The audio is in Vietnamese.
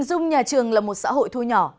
hình dung nhà trường là một xã hội thua nhỏ